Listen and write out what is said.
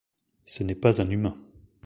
Ce n'est pas un humain.